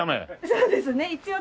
そうですね一応。